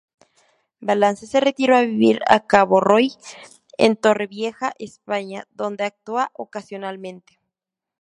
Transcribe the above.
Valance se retiró a vivir a Cabo Roig, en Torrevieja, España, donde actúa ocasionalmente.